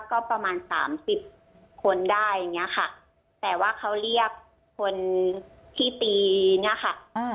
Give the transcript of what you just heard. ก็ประมาณ๓๐คนได้อย่างนี้ค่ะแต่ว่าเขาเรียกคนที่ตีนี่ค่ะ